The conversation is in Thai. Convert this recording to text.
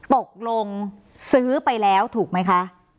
ตกลงซื้อไปแล้วถูกไหมคะ